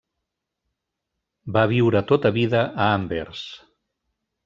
Va viure tota vida a Anvers.